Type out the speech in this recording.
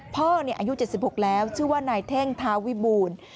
อายุ๗๖แล้วชื่อว่านายเท่งทาวิบูรณ์